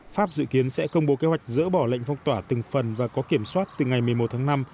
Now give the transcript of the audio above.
pháp dự kiến sẽ công bố kế hoạch dỡ bỏ lệnh phong tỏa từng phần và có kiểm soát từ ngày một mươi một tháng năm